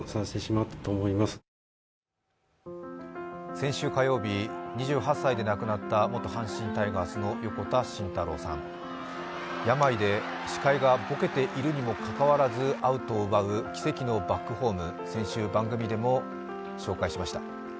先週火曜日、２８歳で亡くなった元阪神タイガースの横田慎太郎さん、病で視界がぼけているのにもかかわらずアウトを奪う奇跡のバックホーム、先週、番組でも紹介しました。